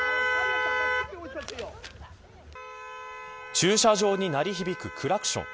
駐車場に鳴り響くクラクション。